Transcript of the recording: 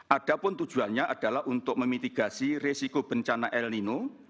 adapun tujuannya adalah untuk memitigasi resiko bencana el nino